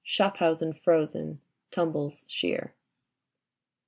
Schaffhausen frozen, tumbles sheer.